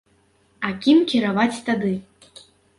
А кім кіраваць тады?